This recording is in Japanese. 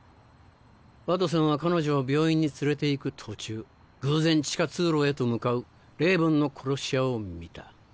ワトソンは彼女を病院に連れて行く途中偶然地下通路へと向かうレイブンの殺し屋を見た。